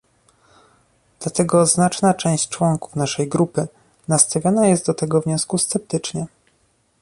Dlatego znaczna część członków naszej grupy nastawiona jest do tego wniosku sceptycznie